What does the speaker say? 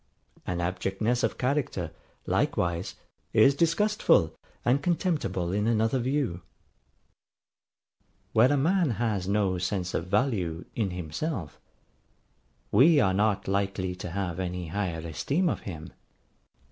An abjectness of character, likewise, is disgustful and contemptible in another view. Where a man has no sense of value in himself, we are not likely to have any higher esteem of him.